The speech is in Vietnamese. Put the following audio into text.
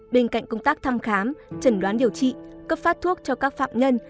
bên cạnh công tác thăm khám chẩn đoán điều trị cấp phát thuốc cho các phạm nhân